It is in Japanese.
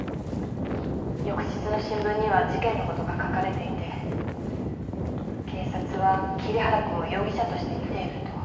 翌日の新聞には事件の事が書かれていて警察は桐原君を容疑者として見ていると。